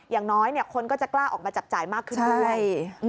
อย่างน้อยคนก็จะกล้าออกมาจับจ่ายมากขึ้นด้วย